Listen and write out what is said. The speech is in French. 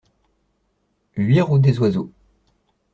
huit route des Oiseaux